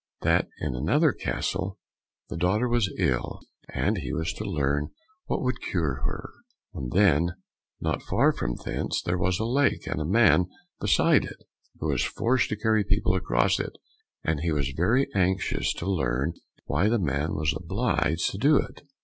—that in another castle the daughter was ill, and he was to learn what would cure her?—and then not far from thence there was a lake and a man beside it, who was forced to carry people across it, and he was very anxious to learn why the man was obliged to do it.